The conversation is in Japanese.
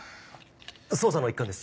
捜査の一環です。